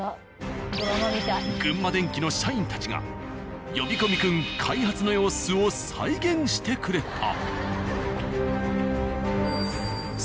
「群馬電機」の社員たちが呼び込み君開発の様子を再現してくれた。